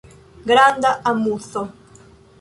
Granda amuzo.